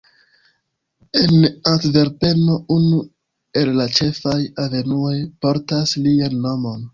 En Antverpeno unu el la ĉefaj avenuoj portas lian nomon.